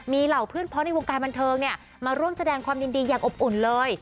มีเหล่าเพื่อนเพราะในวงการบันเทิงมาร่วมแสดงความยินดีอย่างอบอุ่นเลย